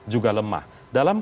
juga lemah dalam